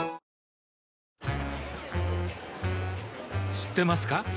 知ってますか？